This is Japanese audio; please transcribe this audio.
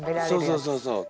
そうそうそうそう。